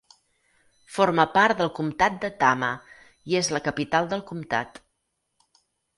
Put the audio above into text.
Forma part del comtat de Tama i és la capital del comtat.